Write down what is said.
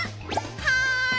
はい！